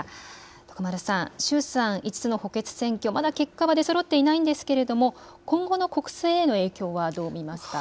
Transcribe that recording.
徳丸さん、衆参５つの補欠選挙の結果は出そろっていないんですけども今後の国政への影響はどう見ますか。